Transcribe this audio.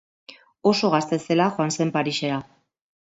Oso gazte zela joan zen Parisera.